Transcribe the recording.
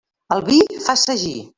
El vi fa sagí.